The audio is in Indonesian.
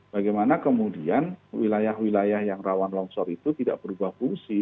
bagaimana kemudian wilayah wilayah yang rawan longsor itu tidak berubah fungsi